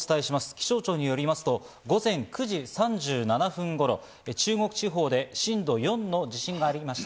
気象庁によりますと、午前９時３７分頃、中国地方で震度４の地震がありました。